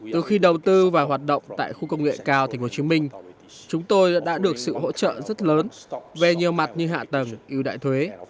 từ khi đầu tư và hoạt động tại khu công nghệ cao tp hcm chúng tôi đã được sự hỗ trợ rất lớn về nhiều mặt như hạ tầng ưu đại thuế